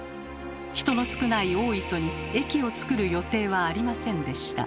人の少ない大磯に駅を造る予定はありませんでした。